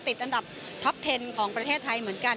ติดอันดับท็อปเทนของประเทศไทยเหมือนกัน